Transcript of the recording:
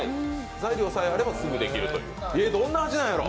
材料さえあれば、すぐできるというどんな味なんやろ。